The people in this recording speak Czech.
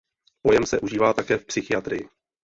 Pojem se užívá také v psychiatrii.